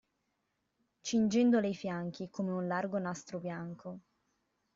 Cingendole i fianchi, come un largo nastro bianco.